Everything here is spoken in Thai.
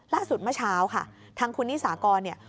เมื่อเช้าค่ะทางคุณนิสากรเนี่ย